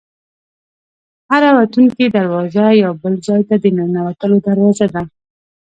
هره وتونکې دروازه یو بل ځای ته د ننوتلو دروازه ده.